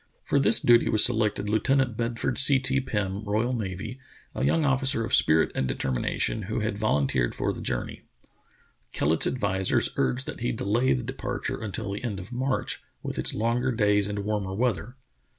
For this duty was selected Lieutenant Bedford C. T. Pirn, R.N., a young officer of spirit and determination, who had volunteered for the journey. Kellet's advisers urged that he delay the departure until the end of March, with its longer days and warmer weather.